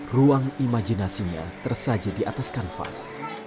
ruang imajinasinya tersaji di atas kanvas